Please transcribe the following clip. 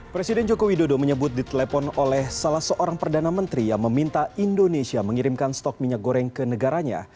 presiden joko widodo menyebut ditelepon oleh salah seorang perdana menteri yang meminta indonesia mengirimkan stok minyak goreng ke negaranya